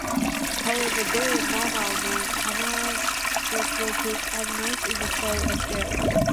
However, there are normal, non-anthropomorphic animals in the show as well.